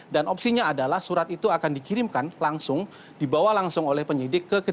dan opsinya adalah surat itu akan dikirimkan langsung dibawa langsung oleh penyidik ke kedudukan